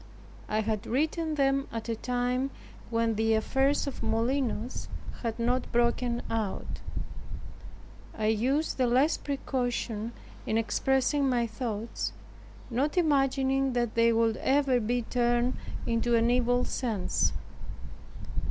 I had written them at a time when the affairs of Molinos had not broken out, I used the less precaution in expressing my thoughts, not imagining that they would ever be turned into an evil sense.